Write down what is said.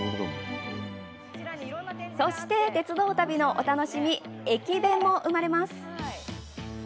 そして、鉄道旅のお楽しみ駅弁も生まれます！